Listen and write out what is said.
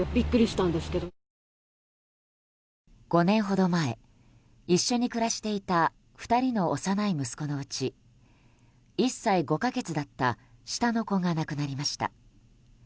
５年ほど前一緒に暮らしていた２人の幼い息子のうち１歳５か月だった下の子が亡くなりました。